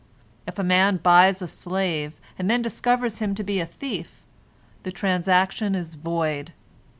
If a man buys a slave, and then discovers him to be a thief, the transaction is void.